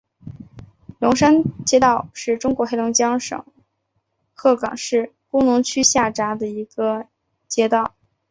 龙山街道是中国黑龙江省鹤岗市工农区下辖的一个街道。